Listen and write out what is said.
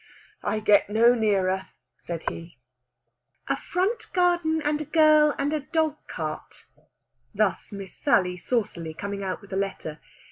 "I get no nearer," said he. "A front garden and a girl and a dog cart," thus Miss Sally saucily, coming out with the letter.